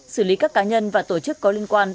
xử lý các cá nhân và tổ chức có liên quan